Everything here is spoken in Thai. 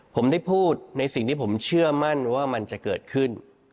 ผมได้พูดในสิ่งที่ผมเชื่อมั่นว่ามันจะเกิดขึ้น